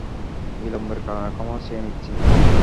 বিলম্বের কারণে ক্ষমা চেয়ে নিচ্ছি!